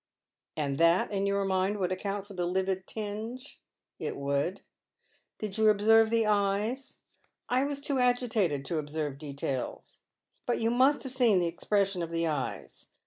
" And that, in your mind, would account for the livid tinge ?" "It would." " Did 3'ou observe the eyes ?"" I was loo agitated to observe details." " But you must have seen the expression of the eyes.